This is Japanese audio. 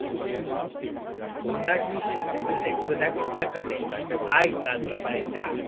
同じ施設で暮らす中で愛が芽生えた。